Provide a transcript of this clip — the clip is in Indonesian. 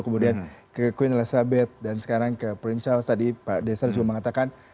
kemudian ke queen elizabeth dan sekarang ke princharge tadi pak desa juga mengatakan